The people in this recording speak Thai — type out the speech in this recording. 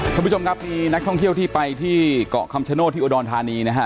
ท่านผู้ชมครับมีนักท่องเที่ยวที่ไปที่เกาะคำชโนธที่อุดรธานีนะฮะ